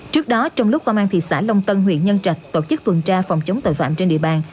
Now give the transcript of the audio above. trước đó trong lúc công an thị xã long tân huyện nhân trạch tổ chức tuần tra phòng chống tội phạm trên địa bàn